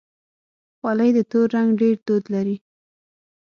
خولۍ د تور رنګ ډېر دود لري.